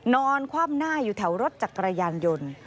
นอนคว่ำหน้าอยู่แถวรถจักรยานยนต์